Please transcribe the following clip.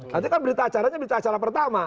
nanti kan berita acaranya berita acara pertama